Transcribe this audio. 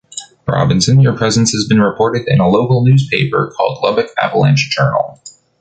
Robinson, your presence has been reported in a local newspaper called Lubbock Avalanche-Journal.